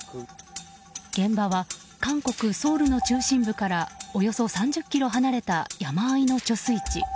場所は、韓国ソウルの中心部からおよそ３０ｋｍ離れた山あいの貯水池。